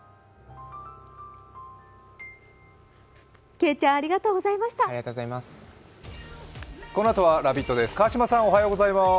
けいちゃんありがとうございました。